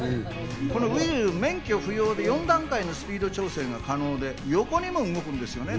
このＷＨＩＬＬ、免許不要で４段階のスピード調整が可能で、横にも動くんですよね。